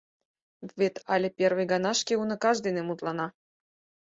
Вет але первый гана шке уныкаж дене мутлана.